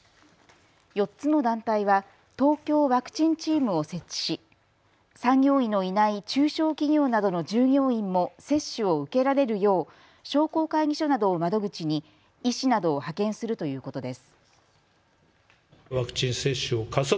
４つの団体は東京ワクチンチームを設置し産業医のいない中小企業などの従業員も接種を受けられるよう商工会議所などを窓口に医師などを派遣するということです。